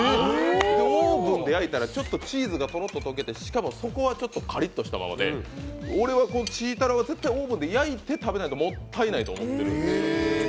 オーブンで焼いたらチーズがトロッと溶けて、底はカリッとしたままで俺はチータラは絶対オーブンで焼いて食べないともったいないと思ってるんです。